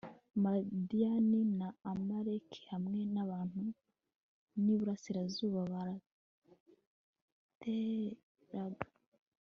madiyani na amaleki hamwe n'abantu b'iburasirazuba, barabateraga